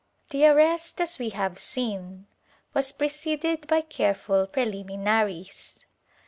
The arrest, as we have seen, was preceded by careful preHmi naries.